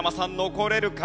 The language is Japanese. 残れるか？